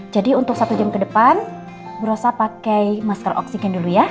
jadi untuk satu jam ke depan bu rosa pakai maskul oksigen dulu ya